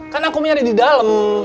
kan aku nyari di dalam